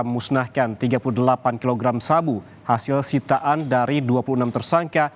musnahkan tiga puluh delapan kg sabu hasil sitaan dari dua puluh enam tersangka